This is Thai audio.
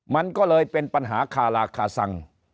มันก็เลยเป็นปัญหาคาราคาซัง